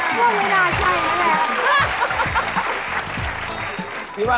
ก็แบบเวลาใช่นี่แล้ว